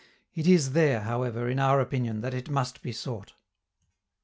It is there, however, in our opinion, that it must be sought.